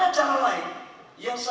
dan kebijakan yang ada